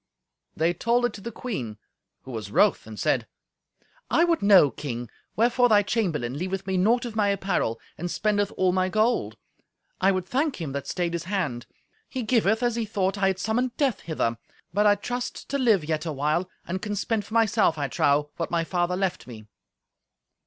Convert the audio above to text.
They told it to the queen, who was wroth, and said, "I would know, King, wherefore thy chamberlain leaveth me naught of my apparel, and spendeth all my gold. I would thank him that stayed his hand. He giveth as he thought I had summoned Death hither. But I trust to live yet a while, and can spend for myself, I trow, what my father left me."